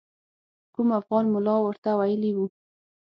کوم افغان ملا ورته ویلي وو.